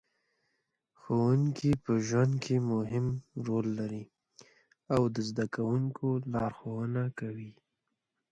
ښوونکې په ژوند کې مهم رول لري او د زده کوونکو لارښوونه کوي.